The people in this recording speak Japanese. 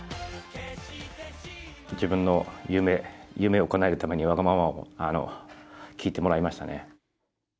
自分の夢をかなえるためにわがままを聞いてもらいましたね。